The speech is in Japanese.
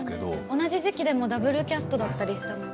同じ時期でもダブルキャストでもありました。